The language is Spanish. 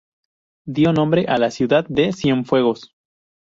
Dio nombre a la ciudad de Cienfuegos.